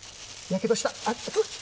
やけどした、あっつ。